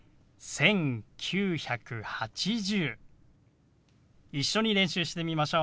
１９８０。